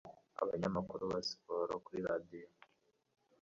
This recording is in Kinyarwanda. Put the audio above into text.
abanyamakuru ba siporo kuri radio